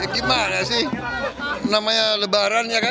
gimana sih namanya lebaran ya kan